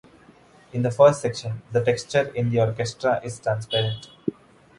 In the first section, the texture in the orchestra is transparent.